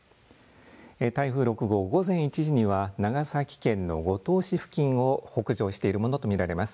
台風６号午前１時には長崎県の五島市付近を北上しているものと見られます。